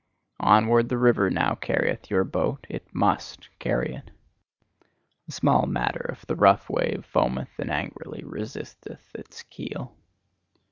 Onward the river now carrieth your boat: it MUST carry it. A small matter if the rough wave foameth and angrily resisteth its keel!